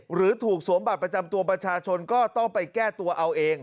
หรือถูกสวมบัตรประจำตัวประชาชนก็ต้องไปแก้ตัวเอาเอง